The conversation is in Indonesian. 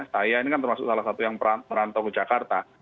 saya ini kan termasuk salah satu yang merantau ke jakarta